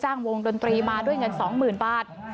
จ้างวงดนตรีมาด้วยเงินสองหมื่นบาท